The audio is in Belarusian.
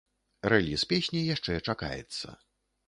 Рэліз песні яшчэ чакаецца.